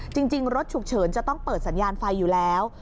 จริงรถฉุกเฉินจะต้องเปิดสัญญาณไฟอยู่แล้ว